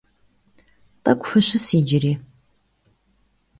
Тӏэкӏу фыщыс иджыри.